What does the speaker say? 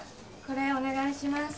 これお願いします